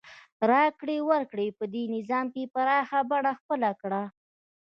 راکړې ورکړې په دې نظام کې پراخه بڼه خپله کړه.